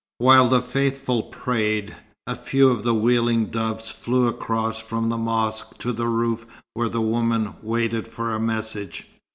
While the faithful prayed, a few of the wheeling doves flew across from the mosque to the roof where the woman waited for a message.